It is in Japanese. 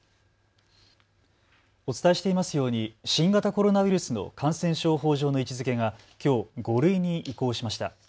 お伝えしていますように新型コロナウイルスの感染症法上の位置づけがきょう５類に移行しました。